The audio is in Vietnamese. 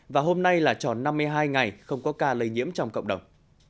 và hôm nay là tròn năm mươi hai ngày không có ca lây nhiễm trong cộng đồng